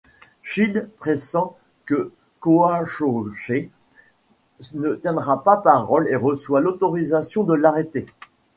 Child pressent que Coachoochee ne tiendra pas parole et reçoit l'autorisation de l'arrêter.